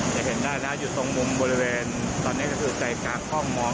เห็นได้แล้วอยู่ตรงมุมบริเวณตอนนี้ก็คือใจกลางห้องมอง